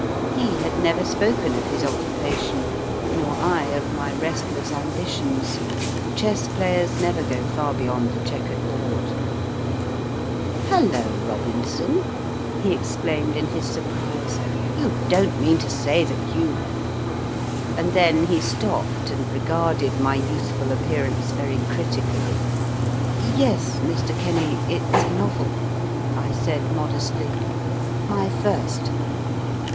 He had never spoken of his occupation, nor I of my restless ambitions chess players never go far beyond the chequered board. ELMORE HOUSE F. W. ROBINSON 127 1 Hallo, Robinson ! he exclaimed in his surprise, you don t mean to say that you And then he stopped and regarded my youthful appear ance very critically. 4 Yes, Mr. Kennyit s a novel, I said modestly ; my first.